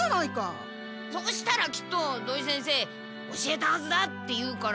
そしたらきっと土井先生教えたはずだって言うから。